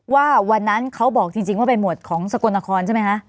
ว่าวันนั้นเขาบอกจริงว่าเป็นหมวดของสกลนครใช่ไหมคะ